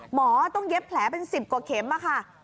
หมอต้องเย็บแผลเป็น๑๐กว่าเข็มค่ะ